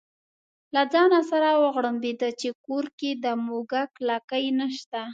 له ځانه سره وغړمبېده چې کور کې د موږک لکۍ نشته.